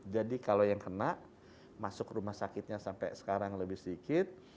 jadi kalau yang kena masuk rumah sakitnya sampai sekarang lebih sedikit